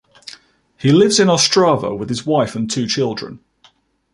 He lives in Ostrava with his wife and two children.